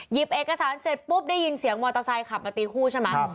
เอกสารเสร็จปุ๊บได้ยินเสียงมอเตอร์ไซค์ขับมาตีคู่ใช่ไหม